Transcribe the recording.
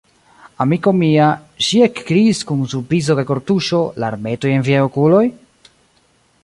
amiko mia, ŝi ekkriis kun surprizo kaj kortuŝo, larmetoj en viaj okuloj?